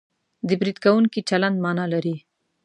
د برید کوونکي چلند مانا لري